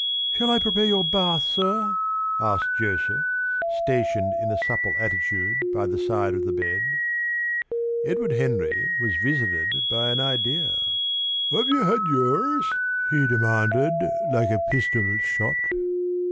"Shall I prepare your bath, sir?" asked Joseph, stationed in a supple attitude by the side of the bed. Edward Henry was visited by an idea. "Have you had yours?" he demanded like a pistol shot.